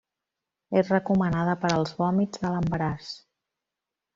És recomanada per als vòmits de l'embaràs.